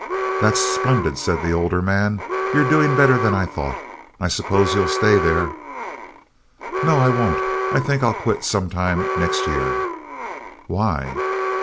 "That's splendid," said the older man. "You're doing better than I thought. I suppose you'll stay there." "No, I won't. I think I'll quit sometime next year." "Why?"